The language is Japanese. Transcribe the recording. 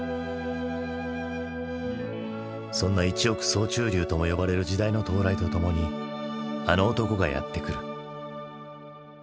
そんな一億総中流とも呼ばれる時代の到来とともにあの男がやって来る。